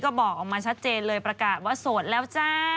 ก็บอกออกมาชัดเจนเลยประกาศว่าโสดแล้วจ้า